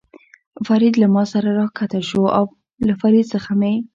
فرید له ما سره را کښته شو، له فرید څخه مې.